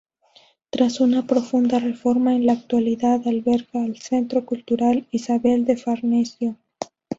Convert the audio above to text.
Tras una profunda reforma, en la actualidad alberga el Centro Cultural Isabel de Farnesio.